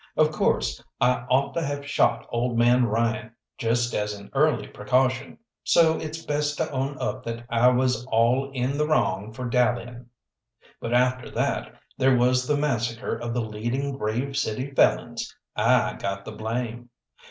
Of course, I ought to have shot old man Ryan, just as an early precaution, so it's best to own up that I was all in the wrong for dallying. But after that, there was the massacre of the leading Grave City felons; I got the blame.